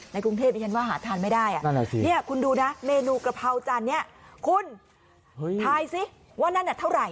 กรุงเทพดิฉันว่าหาทานไม่ได้สิคุณดูนะเมนูกระเพราจานนี้คุณทายสิว่านั่นเท่าไหร่